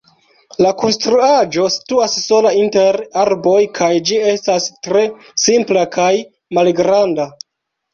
La konstruaĵo situas sola inter arboj kaj ĝi estas tre simpla kaj malgranda.